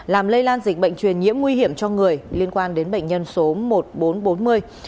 làm lây lan dịch bệnh truyền nhiễm nguy hiểm cho người liên quan đến bệnh nhân số một nghìn bốn trăm bốn mươi